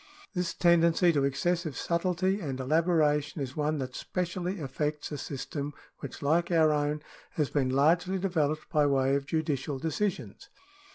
This tendency to excessive subtilty and elabora tion is one that specially affects a system which, like our own, has been largely developed by way of judicial decisions.